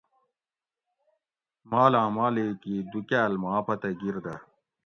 مالاں مالک ئ دوکال ما پتہ گِر دہ